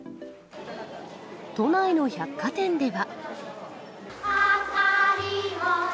都内の百貨店では。